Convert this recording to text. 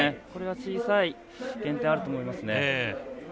これが小さい減点あると思います。